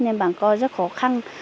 nên bà con rất khó khăn